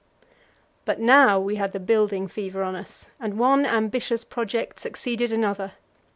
But now we had the building fever on us, and one ambitious project succeeded another.